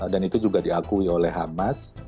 dan itu juga diakui oleh hamas